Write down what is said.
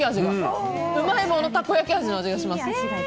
うまい棒のたこ焼き味の味がします。